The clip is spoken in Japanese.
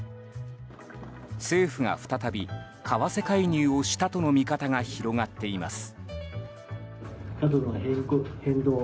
政府が再び為替介入をしたとの見方が広がっています。